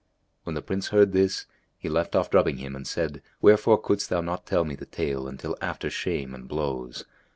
When the Prince heard this, he left off drubbing him and said, "Wherefore couldst thou not tell me the tale until after shame and blows?